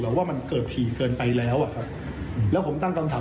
ว่ามันเกิดถี่เกินไปแล้วอ่ะครับแล้วผมตั้งคำถาม